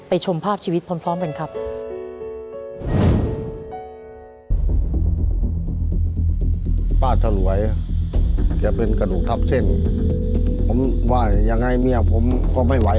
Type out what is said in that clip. อาจจะอยู่กันด้วยความลำบากก็ว่าได้